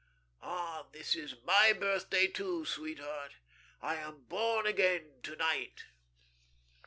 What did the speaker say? Ah, this is my birthday, too, sweetheart. I am born again to night."